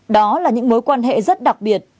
đó là những mối quan hệ rất đặc biệt